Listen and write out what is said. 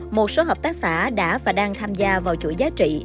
một số hợp tác xã đã và đang tham gia vào chuỗi giá trị